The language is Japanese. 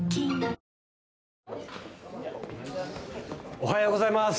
おはようございます。